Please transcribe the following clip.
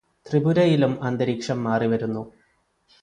ത്രിപുരയിലും അന്തരീക്ഷം മാറിവരുന്നു.